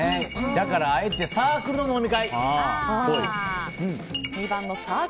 だからあえてサークルの飲み会。